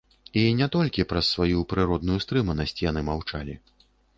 І не толькі праз сваю прыродную стрыманасць яны маўчалі.